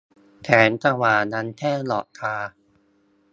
แสงสว่างยังแค่หลอกตา